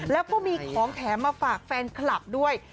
แล้วก็มีของแถมมาฝากแฟนคลับด้วย